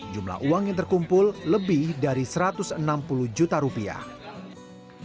jumlah uang yang terkumpul lebih dari satu ratus enam puluh juta rupiah